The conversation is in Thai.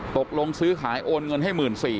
ตกลงซื้อขายโอนเงินให้๑๔๐๐